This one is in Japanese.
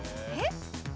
えっ？